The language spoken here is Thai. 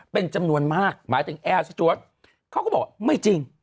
เป็นจำนวนมากหมายถึงแอร์สจวดเขาก็บอกไม่จริง